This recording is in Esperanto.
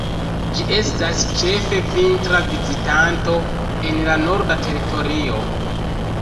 Ĝi estas ĉefe vintra vizitanto en la Norda Teritorio.